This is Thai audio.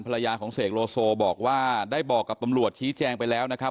ภรรยาของเสกโลโซบอกว่าได้บอกกับตำรวจชี้แจงไปแล้วนะครับ